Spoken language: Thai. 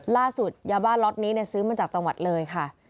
ล่าสุดยาบาลรถนี้ซื้อมาจากจังหวัดเลยค่ะ